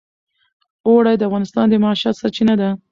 اوړي د افغانانو د معیشت سرچینه ده.